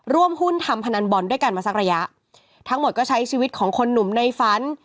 ร่วมหุ้นทำพนันบอลด้วยกันมาสักระยะทั้งหมดก็ใช้ชีวิตของคนหนุ่มในฝัน